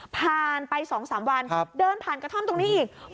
ผ่านไป๒๓วันเดินผ่านกระท่อมตรงนี้อีก